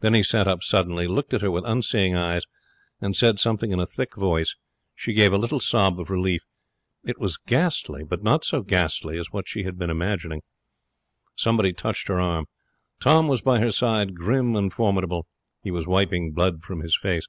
Then he sat up suddenly, looked at her with unseeing eyes, and said something in a thick voice. She gave a little sob of relief. It was ghastly, but not so ghastly as what she had been imagining. Somebody touched her arm. Tom was by her side, grim and formidable. He was wiping blood from his face.